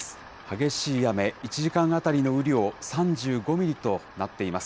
激しい雨、１時間当たりの雨量、３５ミリとなっています。